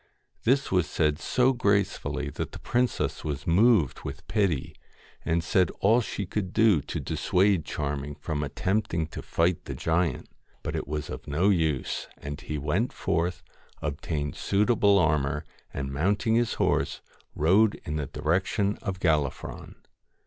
This was said so gracefully that the princess was moved with pity, and said all she could to dissuade Charming from attempting to fight the giant. But it was of no use, he went forth, obtained suitable armour, and mounting his horse rode in the direction of Gallifron.